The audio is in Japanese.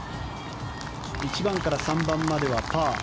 １番から３番まではパー。